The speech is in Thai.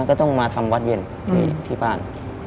ก็ต้องมาทำวัดเย็นที่บ้าน